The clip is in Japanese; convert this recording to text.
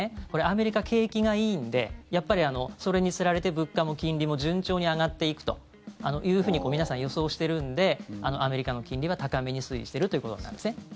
これ、アメリカ景気がいいんでやっぱりそれにつられて物価も金利も順調に上がっていくというふうに皆さん、予想してるんでアメリカの金利は高めに推移してるということになるんですね。